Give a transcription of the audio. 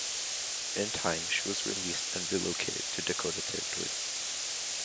In time she was released and relocated to Dakota Territory.